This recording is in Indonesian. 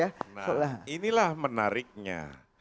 nah inilah menariknya